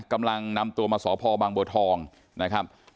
กำลังนำตัวมาสพบางบัวทองนะครับ